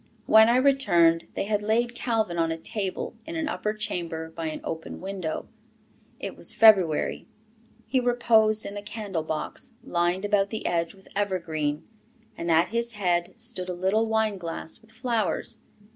When I returned, they had laid Calvin on a table in an upper chamber by an open window. It was February. He reposed in a candle box, lined about the edge with evergreen, and at his head stood a little wine glass with flowers.